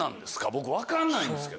僕分かんないんですけど。